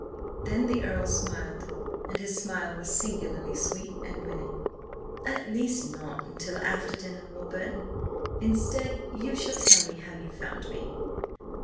Then the Earl smiled, and his smile was singularly sweet and winning. "At least, not until after dinner, Warburton! Instead, you shall tell me how you found me?"